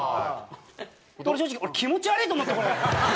俺正直気持ち悪いと思ったこれ。